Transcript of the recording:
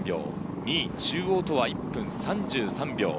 ２位・中央とは１分３０秒。